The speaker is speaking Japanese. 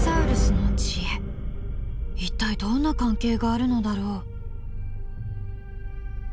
一体どんな関係があるのだろう。